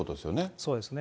そうですね。